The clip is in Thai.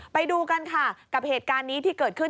ไปดูกันค่ะกับเหตุการณ์นี้ที่เกิดขึ้น